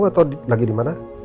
atau lagi dimana